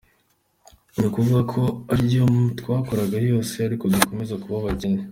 Ni ukuvuga ko ayo twakorera yose, ariko dukomeza kuba abakene.